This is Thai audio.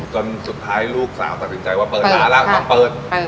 จนสุดท้ายลูกสาวตัดสินใจว่าเปิดหาแล้วต้องเปิด